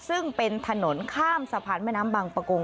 ซึ่งเป็นถนนข้ามสะพานแม่น้ำบางประกง